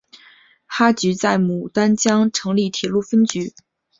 哈局在牡丹江成立铁路分局。